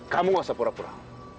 kamu gak usah pura pura